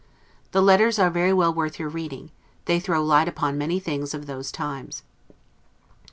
The letters are very well worth your reading; they throw light upon many things of those times.